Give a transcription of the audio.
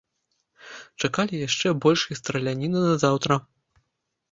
Чакалі яшчэ большай страляніны назаўтра.